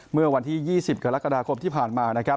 เมื่อวันที่๒๐กรกฎาคมที่ผ่านมา